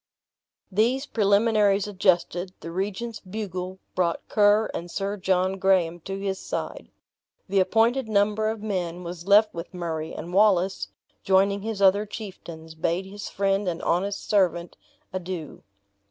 These preliminaries adjusted, the regent's bugle brought Ker and Sir John Graham to his side. The appointed number of men was left with Murray; and Wallace, joining his other chieftains, bade his friend and honest servant adieu.